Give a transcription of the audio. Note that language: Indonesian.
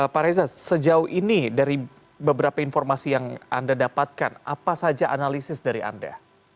pak reza sejauh ini dari beberapa informasi yang anda dapatkan apa saja analisis dari anda